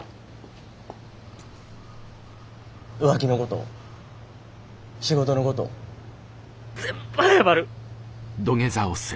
浮気のこと仕事のこと全部謝る。